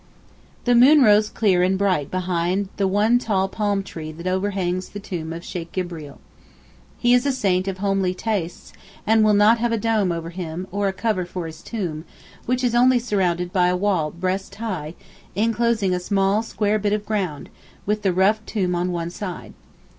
The moon rose clear and bright behind the one tall palm tree that overhangs the tomb of Sheykh Gibreel. He is a saint of homely tastes and will not have a dome over him or a cover for his tomb, which is only surrounded by a wall breast high, enclosing a small square bit of ground with the rough tomb on one side.